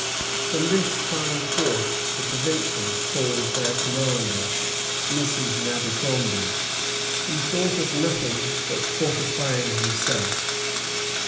From this time forth the provincials called their commander Mrs. Nabbycromby. He thought of nothing but fortifying himself.